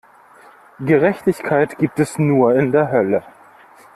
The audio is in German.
Gerechtigkeit gibt es nur in der Hölle!